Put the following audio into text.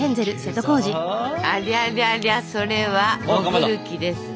ありゃりゃりゃそれは潜る気ですね。